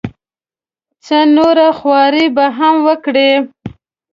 څه نوره خواري به هم وکړي.